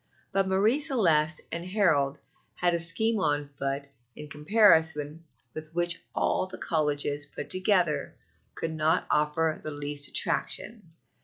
But Marie Celeste and Harold had a scheme on foot in comparison with which all the colleges put together could not offer the least attraction.